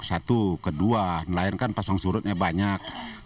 satu kedua nelayan kan pasang surutnya banyak